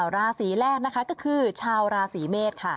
ราศีแรกนะคะก็คือชาวราศีเมษค่ะ